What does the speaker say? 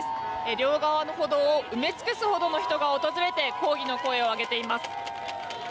両側の歩道を埋め尽くすほどの人が訪れて抗議の声を上げています。